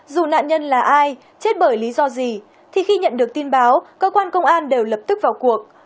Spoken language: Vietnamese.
dù nạn nhân là ai chết bởi lý do gì thì khi nhận được tin báo cơ quan công an đều lập tức vào cuộc